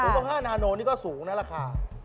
ผ้านานโอนี่ก็สูงนะราคา